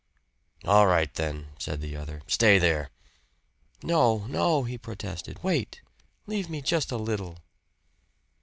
"All right then," said the other. "Stay there." "No, no!" he protested. "Wait! Leave me just a little."